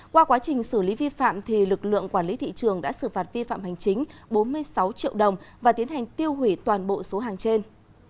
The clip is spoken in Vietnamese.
qua quá trình xử lý vi phạm lực lượng quản lý thị trường đã xử phạt vi phạm hành chính bốn mươi sáu triệu đồng và tiến hành tiêu hủy toàn bộ số hàng trên